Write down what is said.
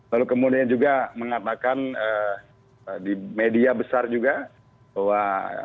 lalu kemudian juga mengatakan di media besar juga bahwa